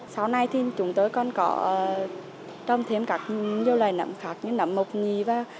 sau này chúng tôi còn trồng thêm nhiều loài nấm khác như nấm mộc nhì